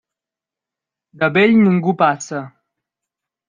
De vell ningú passa.